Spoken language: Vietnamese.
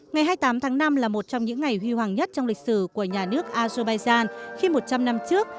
ngày hai mươi tám tháng năm là một trong những ngày huy hoàng nhất trong lịch sử của nhà nước azerbaijan khi một trăm linh năm trước